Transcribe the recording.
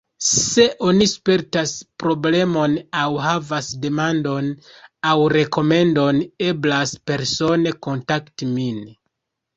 Se oni spertas problemon aŭ havas demandon aŭ rekomendon, eblas persone kontakti min.